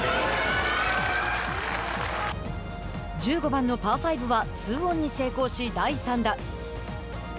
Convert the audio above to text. １５番のパー５は２オンに成功し、第３打。